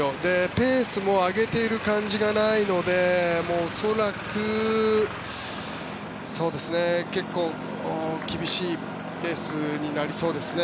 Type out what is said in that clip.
ペースも上げている感じがないので恐らく、結構厳しいペースになりそうですね。